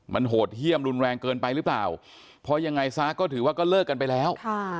มันโหดเยี่ยมรุนแรงเกินไปหรือเปล่าเพราะยังไงซะก็ถือว่าก็เลิกกันไปแล้ว